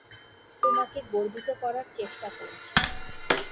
তোমাকে গর্বিত করার চেষ্টা করছি।